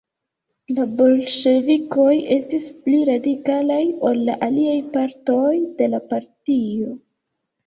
La bolŝevikoj estis pli radikalaj ol la aliaj partoj de la partio.